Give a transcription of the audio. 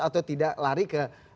atau tidak lari ke